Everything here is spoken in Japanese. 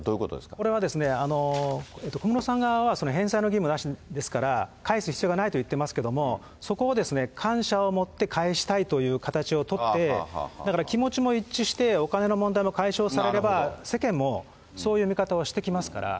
これは、小室さん側は返済の義務なしですから、返す必要がないと言っていますけれども、感謝を持って返したいという形を取って、だから、気持ちも一致して、お金の問題も解消されれば、世間もそういう見方をしてきますから。